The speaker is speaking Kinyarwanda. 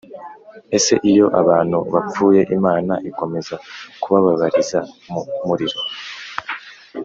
Ese iyo abantu bapfuye Imana ikomeza kubababariza mu muriro?